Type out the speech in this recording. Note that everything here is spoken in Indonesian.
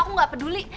aku gak peduli